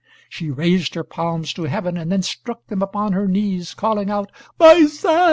She raised her palms to heaven, and then struck them upon her knees, calling out, "My son!"